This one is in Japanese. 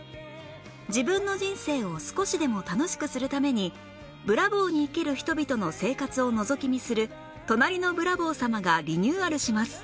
自分の人生を少しでも楽しくするためにブラボーに生きる人々の生活をのぞき見する『隣のブラボー様』がリニューアルします